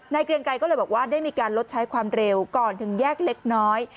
เกรียงไกรก็เลยบอกว่าได้มีการลดใช้ความเร็วก่อนถึงแยกเล็กน้อย